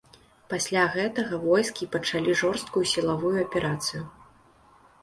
Пасля гэтага войскі пачалі жорсткую сілавую аперацыю.